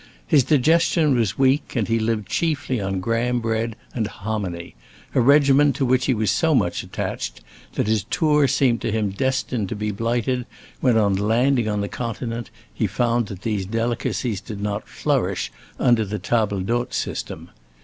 His digestion was weak and he lived chiefly on Graham bread and hominy—a regimen to which he was so much attached that his tour seemed to him destined to be blighted when, on landing on the Continent, he found that these delicacies did not flourish under the table d'hôte system.